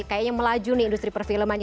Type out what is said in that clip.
kayaknya melaju nih industri perfilman